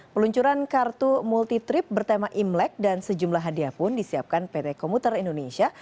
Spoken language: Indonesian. peluncuran kartu multi trip bertema imlek dan sejumlah hadiah pun disiapkan pt komuter indonesia